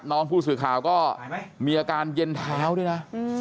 น้องผู้สื่อข่าวก็มีอาการเย็นเท้าด้วยนะ